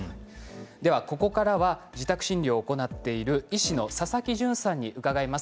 ここからは自宅診療を行っている医師の佐々木淳さんに伺います。